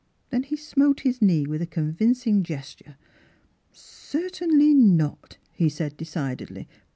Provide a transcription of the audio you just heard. Then he smote his knee with a convincing gesture. " Certainly not !" he said decidedly.